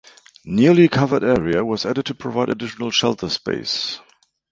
Newly covered area was added to provide additional shelter space.